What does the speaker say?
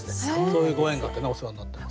そういうご縁があってお世話になってます。